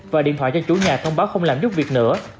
và điện thoại cho chủ nhà thông báo không làm giúp việc nữa